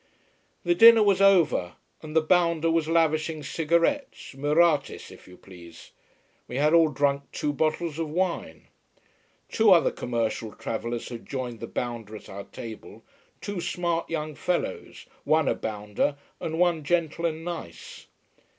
The dinner was over, and the bounder was lavishing cigarettes Murattis, if you please. We had all drunk two bottles of wine. Two other commercial travellers had joined the bounder at our table two smart young fellows, one a bounder and one gentle and nice.